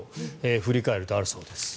振り返るとあるそうです。